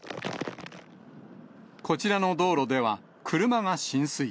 こちらの道路では、車が浸水。